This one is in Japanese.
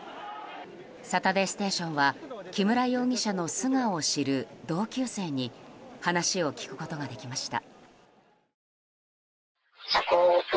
「サタデーステーション」は木村容疑者の素顔を知る同級生に話を聞くことができました。